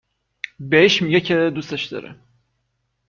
بهش میگه که دوستش داره